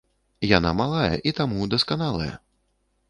Яна малая і таму дасканалая.